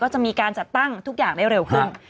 จะมีการจัดตั้งทุกอย่างได้เร็วขึ้น